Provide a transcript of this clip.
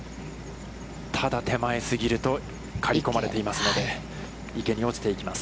ただ、手前過ぎると、刈り込まれていますので、池に落ちていきます。